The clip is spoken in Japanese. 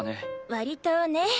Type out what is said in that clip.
割とね。